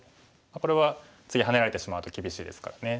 これは次ハネられてしまうと厳しいですからね。